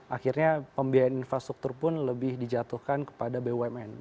akhirnya pembiayaan infrastruktur pun lebih dijatuhkan kepada bumn